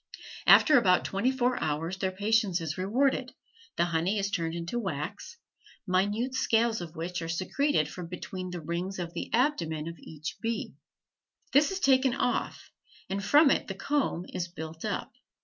After about twenty four hours their patience is rewarded, the honey is turned into wax, minute scales of which are secreted from between the rings of the abdomen of each bee; this is taken off and from it the comb is built up.